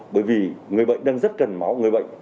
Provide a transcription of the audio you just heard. bởi vì người bệnh đang rất cần máu